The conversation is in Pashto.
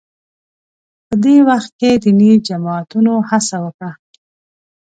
په دې وخت کې دیني جماعتونو هڅه وکړه